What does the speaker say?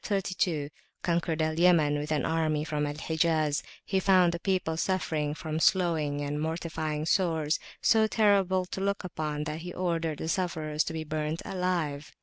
132, conquered Al Yaman with an army from Al Hijaz, he found the people suffering from sloughing and mortifying sores, so terrible to look upon that he ordered the sufferers to be burnt alive.